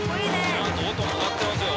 ちゃんと音も鳴ってますよ。